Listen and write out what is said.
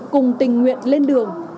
cùng tình nguyện lên đường